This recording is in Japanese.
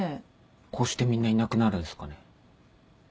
こうしてみんないなくなるんすかね？